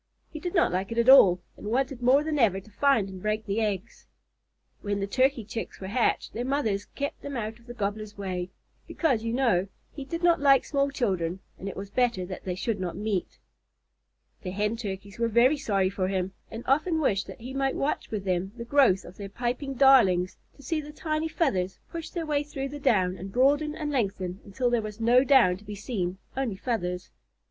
He did not like it at all, and wanted more than ever to find and break the eggs. When the Turkey Chicks were hatched, their mothers kept them out of the Gobbler's way, because, you know, he did not like small children and it was better that they should not meet. The Hen Turkeys were very sorry for him, and often wished that he might watch with them the growth of their piping darlings, to see the tiny feathers push their way through the down and broaden and lengthen until there was no down to be seen only feathers.